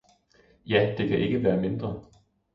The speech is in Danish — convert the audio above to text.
Ja, det kan ikke være mindre!